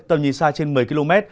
tầm nhìn xa trên một mươi km